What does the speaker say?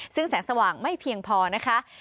ซึ่งแสงสว่างไม่เพียงพอนะคะ